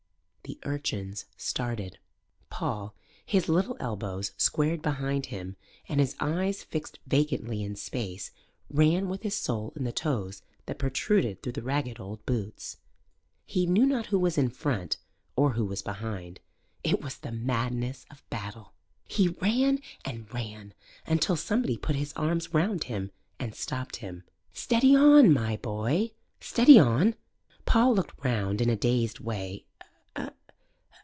The urchins started. Paul, his little elbows squared behind him and his eyes fixed vacantly in space, ran with his soul in the toes that protruded through the ragged old boots. He knew not who was in front or who was behind. It was the madness of battle. He ran and ran, until somebody put his arms round him and stopped him. "Steady on, my boy steady on!" Paul looked round in a dazed way.